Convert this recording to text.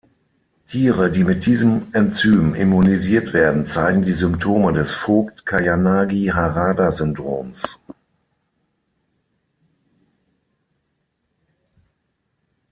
Tiere, die mit diesem Enzym immunisiert werden, zeigen die Symptome des Vogt-Koyanagi-Harada-Syndroms.